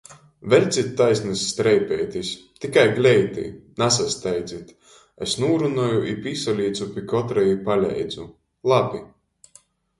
Veļcit taisnys streipeitis! Tikai gleiti! Nasasteidzit! es nūrunoju, pīsalīcu pi kotra i paleidzu. Labi!